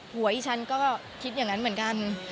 หัวอีฉันก็คิดอย่างนั้นเหมือนกัน